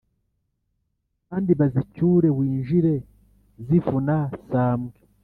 abandi bazicyure, winjire zivuna sambwe